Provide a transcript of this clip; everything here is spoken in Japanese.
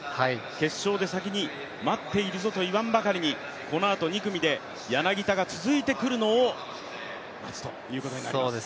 決勝で先に待っているぞと言わんばかりにこのあと２組で柳田が続いてくるのを待つということになります。